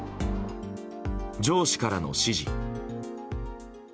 上司からの指示。